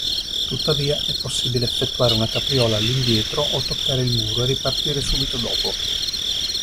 Tuttavia, è possibile effettuare una capriola all'indietro o toccare il muro e ripartire subito dopo.